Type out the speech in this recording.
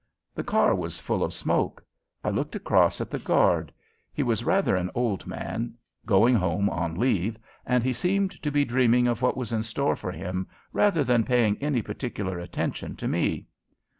The car was full of smoke. I looked across at the guard. He was rather an old man, going home on leave, and he seemed to be dreaming of what was in store for him rather than paying any particular attention to me.